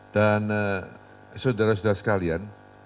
dan saudara saudara sekalian